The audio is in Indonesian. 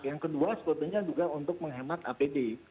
yang kedua sebetulnya juga untuk menghemat apd